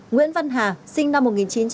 nguyễn văn hà sinh năm một nghìn chín trăm tám mươi